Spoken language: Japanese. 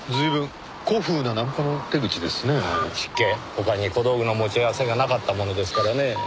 他に小道具の持ち合わせがなかったものですからねぇ。